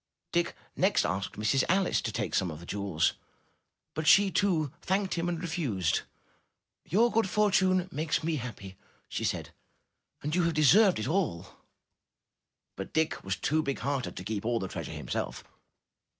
'' Dick next asked Mistress Alice to take some of the jewels, but she too thanked him and refused. "Your good fortune makes me happy," she said, "and you have deserved it all!" But Dick was too big hearted to keep all the treas ure himself.